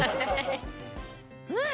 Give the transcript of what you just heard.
うん！